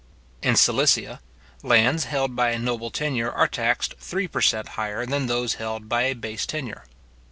In Silesia, lands held by a noble tenure are taxed three per cent. higher than those held by a base tenure.